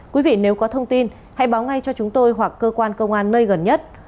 quý vị nếu có thông tin hãy báo ngay cho chúng tôi hoặc cơ quan công an nơi gần nhất